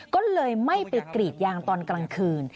ก็เลยไม่ไปกรีดยางตอนกลางคืน